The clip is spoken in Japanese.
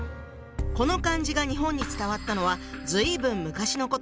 この漢字が日本に伝わったのは随分昔のこと。